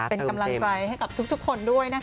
เป็นกำลังใจให้กับทุกคนด้วยนะคะ